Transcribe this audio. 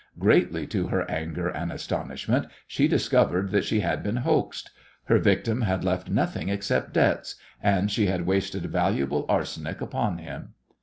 Greatly to her anger and astonishment, she discovered that she had been hoaxed. Her victim had left nothing except debts, and she had wasted valuable arsenic upon him.